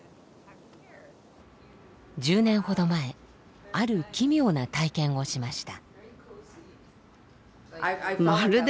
１０年ほど前ある奇妙な体験をしました。